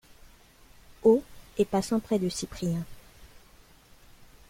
Haut, et passant près de Cyprien.